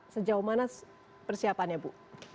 sejauh mana persiapannya bu